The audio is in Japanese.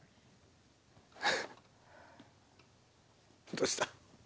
・どうした？